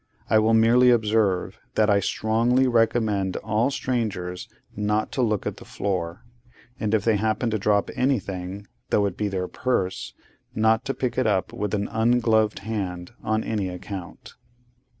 I will merely observe, that I strongly recommend all strangers not to look at the floor; and if they happen to drop anything, though it be their purse, not to pick it up with an ungloved hand on any account.